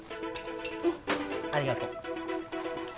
ありがとう。